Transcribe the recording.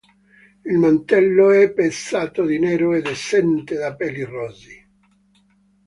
Il mantello è pezzato di nero ed esente da peli rossi.